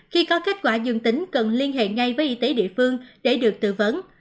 khi có kết quả dương tính cần liên hệ ngay với y tế địa phương để được tư vấn